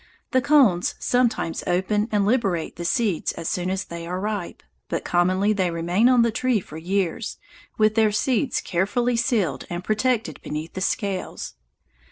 The cones sometimes open and liberate the seeds as soon as they are ripe, but commonly they remain on the tree for years, with their seeds carefully sealed and protected beneath the scales.